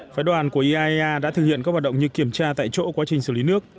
phái đoàn của iaea đã thực hiện các hoạt động như kiểm tra tại chỗ quá trình xử lý nước